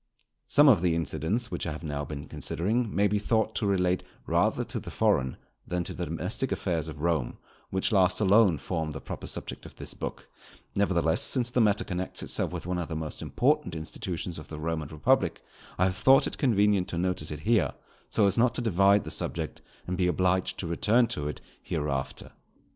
Some of the incidents which I have now been considering may be thought to relate rather to the foreign than to the domestic affairs of Rome, which last alone form the proper subject of this Book; nevertheless since the matter connects itself with one of the most important institutions of the Roman republic, I have thought it convenient to notice it here, so as not to divide the subject and be obliged to return to it hereafter.